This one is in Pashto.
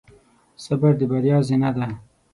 صبر د بریا زینه ده.